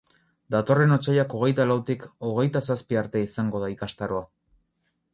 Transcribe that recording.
Datorren otsailak hogeita lautik hogeita zazpi arte izango da ikastaroa.